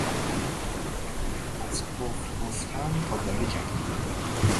ایوب از کفر گفتن خودداری کرد.